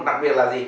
đặc biệt là gì